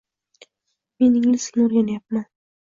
Men ingliz tilini o’rganayapman.